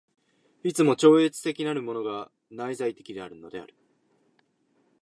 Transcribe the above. いつも超越的なるものが内在的であるのである。